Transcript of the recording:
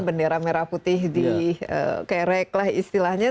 bendera merah putih di kerek lah istilahnya